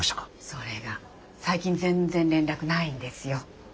それが最近全然連絡ないんですよ。